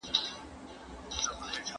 دښمن باید سر بدله کړای سي.